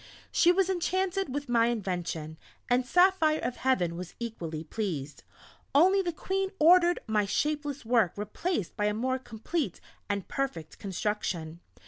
She was enchanted with my invention, and Saphire of Heaven was equally pleased; only the Queen ordered my shapeless work replaced by a more complete and perfect construction.